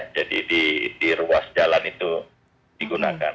jadi di ruas jalan itu digunakan